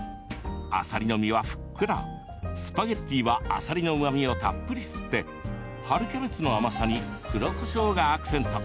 あさりの身はふっくらスパゲッティはあさりのうまみをたっぷり吸って春キャベツの甘さに黒こしょうがアクセント。